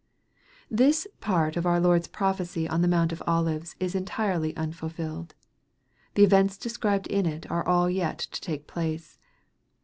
THIS part of our Lord's prophecy on the Mount of Olives is entirely unfulfilled. The events described in it are all yet to take place.